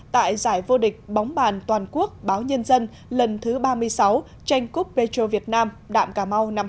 tại giải vô địch bóng bàn toàn quốc báo nhân dân lần thứ ba mươi sáu tranh cúp petro việt nam đạm cà mau năm hai nghìn hai mươi